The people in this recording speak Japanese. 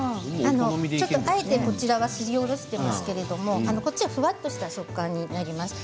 あえてこちらはすりおろしていますけれどこちらはふわっとした食感になります。